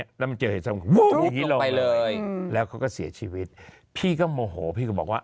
แล้วมันเจอเหตุสมวูบอย่างนี้ลงไปเลยแล้วเขาก็เสียชีวิตพี่ก็โมโหพี่ก็บอกว่า